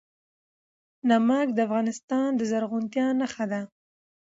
نمک د افغانستان د زرغونتیا نښه ده.